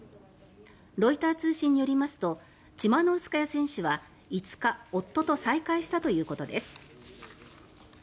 ロイター通信によりますとチマノウスカヤ選手は５日夫と再会したということです。